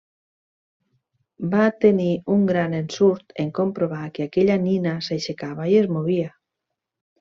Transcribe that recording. Va tenir un gran ensurt en comprovar que aquella nina s'aixecava i es movia.